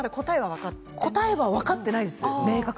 答えが分かっていないんです